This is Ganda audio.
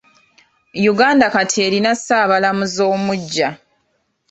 Uganda kati erina ssaabalamuzi omuggya.